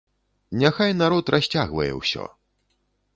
Няхай народ расцягвае ўсё.